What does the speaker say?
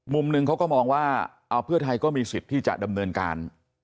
มุมหนึ่งเขาก็มองว่าเอาเพื่อไทยก็มีสิทธิ์ที่จะดำเนินการ